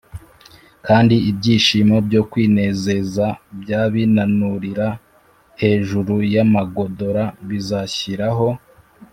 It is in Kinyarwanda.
kandi ibyishimo byo kwinezeza by’abinanurira hejuru y’amagodora bizashiraho